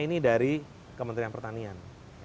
ini dari kementerian pertanian